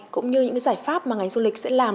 cũng như những giải pháp mà ngành du lịch sẽ làm